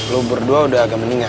lo berdua udah agak meninggal